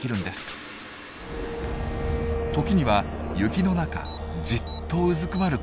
時には雪の中じっとうずくまることも。